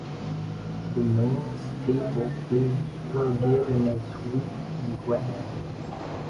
The main staple foods were given as wheat and gram.